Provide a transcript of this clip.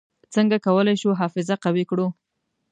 څنګه کولای شو حافظه قوي کړو؟